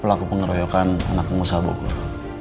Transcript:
pelaku pengeroyokan anak pengusaha bogor